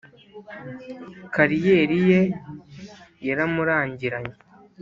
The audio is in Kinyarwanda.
kariyeri ye yaramurangiranye